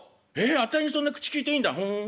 あたいにそんな口きいていいんだふん。